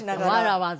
わざわざ。